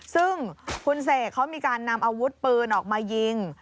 ซึ่งคุณเสกเขามีการนำอาวุธปืนออกมายิง